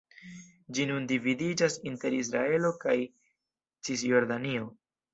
Ĝi nun dividiĝas inter Israelo kaj Cisjordanio.